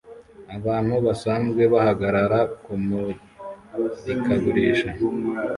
Abantu basanzwe bahagarara kumurikagurisha